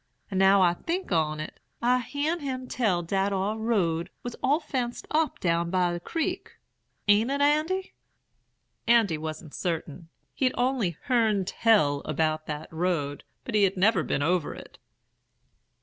And now I think on't, I hearn 'em tell dat ar road was all fenced up down by der creek. A'n't it, Andy?' "Andy wasn't certain; he'd only 'hearn tell' about that road, but had never been over it.